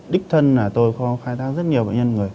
đích thân là tôi khai thác rất nhiều bệnh nhân